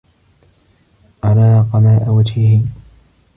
أراق ماء وجهه